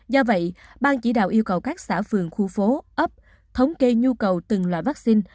do vậy ban chỉ đạo yêu cầu các xã phường khu phố ấp thống kê nhu cầu từng loại vaccine